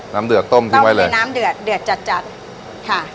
น้ำเดือดต้มที่ไว้เลยต้มกับน้ำเดือดเดือดจัดจัดค่ะ